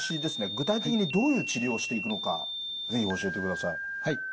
具体的にどういう治療をしていくのか是非教えてください。